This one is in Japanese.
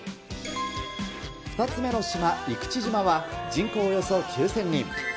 ２つ目の島、生口島は人口およそ９０００人。